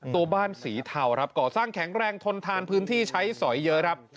ตัวบ้านสีเทาครับก่อสร้างแข็งแรงทนทานพื้นที่ใช้สอยเยอะครับ